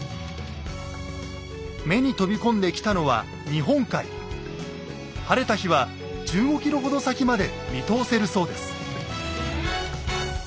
目に飛び込んできたのは晴れた日は１５ｋｍほど先まで見通せるそうです。